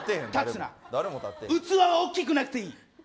器は大きくなくていい。